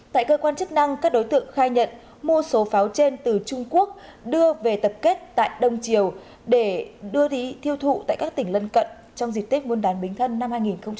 tại cơ quan chức năng các đối tượng khai nhận mua số pháo trên từ trung quốc đưa về tập kết tại đông triều để đưa đi thiêu thụ tại các tỉnh lân cận trong dịch tích nguồn đán bình thân năm hai nghìn một mươi sáu